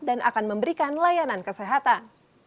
dan akan memberikan layanan kesehatan